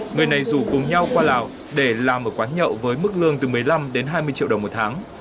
người này rủ cùng nhau qua lào để làm ở quán nhậu với mức lương từ một mươi năm đến hai mươi triệu đồng một tháng